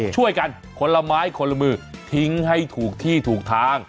ช่วยกันคนละไม้คนละมือทิ้งให้ถูกที่ถูกทาง